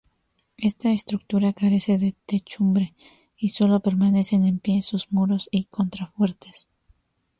Esta estructura carece de techumbre y solo permanecen en pie sus muros y contrafuertes.